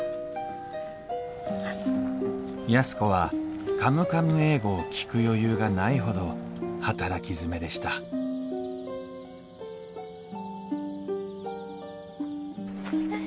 安子は「カムカム英語」を聴く余裕がないほど働き詰めでしたよし。